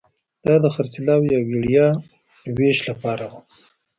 دا د خرڅلاو یا وړیا وېش لپاره وو